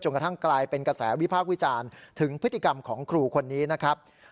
กระทั่งกลายเป็นกระแสวิพากษ์วิจารณ์ถึงพฤติกรรมของครูคนนี้นะครับ